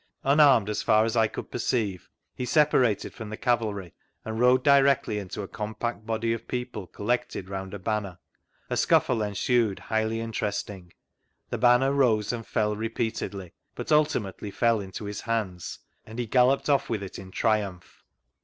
Unarmed as far as I could perceive, he separated from the cavalry, and rode directly into a compact body of people collected round a banner; a scuffle ensued highly interesting; the banner rose and fell repeatedly, but ultimately fell into his hands, and he galloped off with it in triumph.